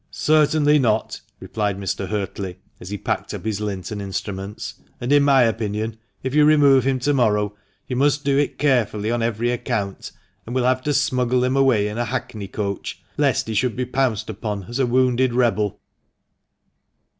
"Certainly not," replied Mr. Huertley, as he packed up his lint and instruments. " And in my opinion, if you remove him to morrow you must do it carefully on every account, and will have to smuggle him away in a hackney coach, lest he should be pounced upon as a wounded rebel."